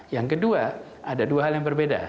yang kedua ada dua hal yang berbeda